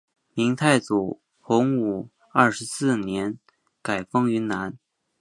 明太祖洪武二十四年改封云南。